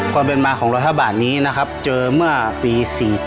ความเป็นมาของ๑๐๕บาทนี้นะครับเจอเมื่อปี๔๘